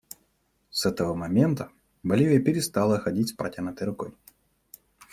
С этого момента Боливия перестала ходить с протянутой рукой.